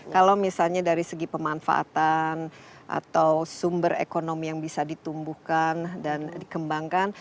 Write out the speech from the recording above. kalau misalnya dari segi pemanfaatan atau sumber ekonomi yang bisa ditumbuhkan dan dikembangkan